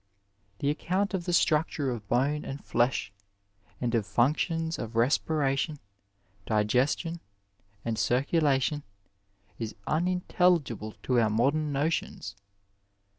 ^ The account of the structure of bone and flesh, and of functions of respiration, digestion, and circulation is un . intelligible to our modem notions.